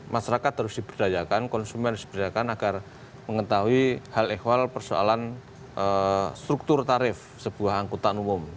masyarakat harus diberdayakan konsumen harus diberdayakan agar mengetahui hal ekwal persoalan struktur tarif sebuah angkutan umum